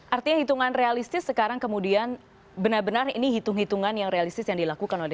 artinya hitungan realistis sekarang kemudian benar benar ini hitung hitungan yang realistis yang dilakukan oleh dp